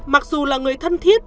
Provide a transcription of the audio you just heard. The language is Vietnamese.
mặc dù là người thân thiết